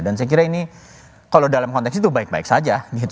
dan saya kira ini kalau dalam konteks itu baik baik saja